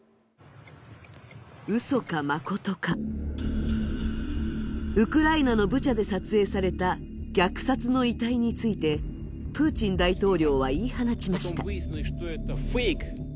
うそかまことか、ウクライナのブチャで撮影された虐殺の遺体についてプーチン大統領は言い放ちました。